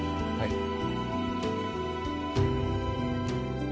はい。